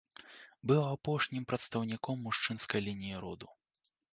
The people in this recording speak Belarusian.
Быў апошнім прадстаўніком мужчынскай лініі роду.